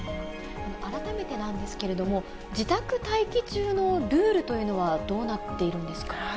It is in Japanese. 改めてなんですけれども、自宅待機中のルールというのは、どうなっているんですか？